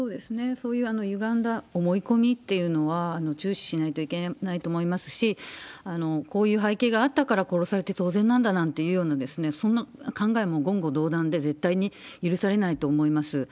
そういうゆがんだ思い込みっていうのは重視しないといけないと思いますし、こういう背景があったから殺されて当然なんだなんていうような、そんな考えも言語道断で、絶対に許されないと思います。